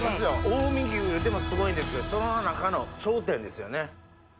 近江牛でもすごいんですけどその中の頂点ですよね。